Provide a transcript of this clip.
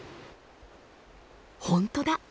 本当だ！